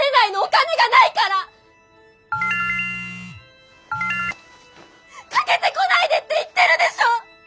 かけてこないでって言ってるでしょ！